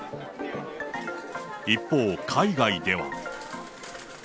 一方、海外では。